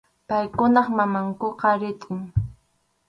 Paykunap mamankuqa ritʼim.